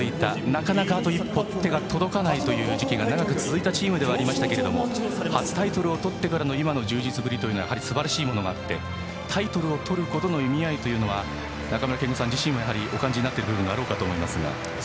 なかなかあと一歩手が届かない時期が長く続いたチームではありますが初タイトルをとってからの今の充実ぶりはすばらしいものがあってタイトルをとることの意味合いというのは中村憲剛さん自身もお感じになっているところがあると思いますが。